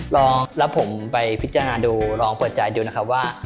ลองแล้วผมไปพิจารณาดูลองเปิดใจดูนะครับว่า